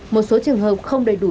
một số trường hợp không đầy đủ